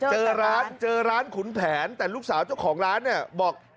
เจอร้านเจอร้านขุนแผนแต่ลูกสาวเจ้าของร้านเนี่ยบอก